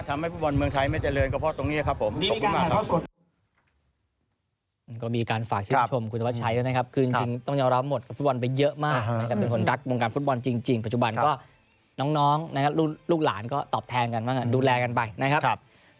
ฟุตบอลเมืองไทยไม่เจริญกระเพาะตรงนี้ครับผมขอบคุณมากครับ